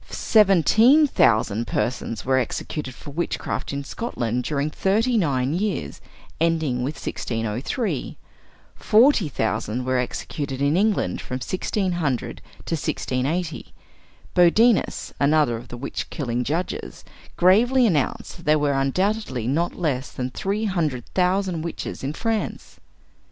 Seventeen thousand persons were executed for witchcraft in Scotland during thirty nine years, ending with 1603. Forty thousand were executed in England from 1600 to 1680. Bodinus, another of the witch killing judges, gravely announced that there were undoubtedly not less than three hundred thousand witches in France.